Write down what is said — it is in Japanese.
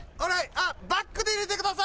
あっバックで入れてください！